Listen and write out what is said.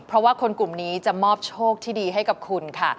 เพราะว่าคนกลุ่มนี้จะมอบโชคที่ดีให้กับคุณค่ะ